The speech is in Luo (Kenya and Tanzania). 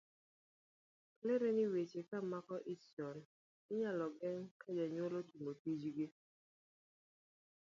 Olero ni weche ka mako ich chon inyalo geng' ka jonyuol otimo tijgi.